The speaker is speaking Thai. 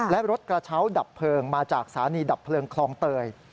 และรถกระเช้าดับเพลิงมาจากสถานีดับเพลิงคลองเตย